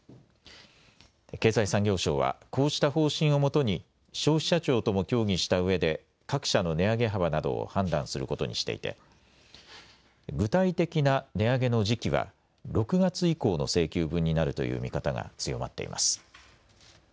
経済産業省はこうした方針をもとに消費者庁とも協議したうえで各社の値上げ幅などを判断することにしていて具体的な値上げの時期は６月以降の請求分になるという見方が強まっています。